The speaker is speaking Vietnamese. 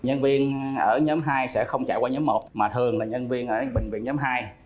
nhân viên ở nhóm hai sẽ không chạy qua nhóm một mà thường là nhân viên ở bệnh viện nhóm hai